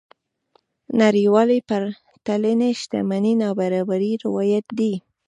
نړيوالې پرتلنې شتمنۍ نابرابرۍ روايت دي.